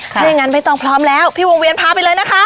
ถ้าอย่างนั้นไม่ต้องพร้อมแล้วพี่วงเวียนพาไปเลยนะคะ